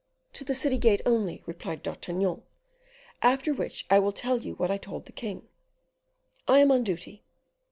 "To the city gate only," replied D'Artagnan, "after which I will tell you what I told the king: 'I am on duty.